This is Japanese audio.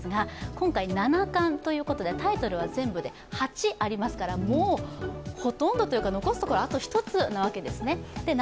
今回、七冠ということでタイトルは全部で８ありますからほとんどいうか、残すところ、あと１つなわけですね。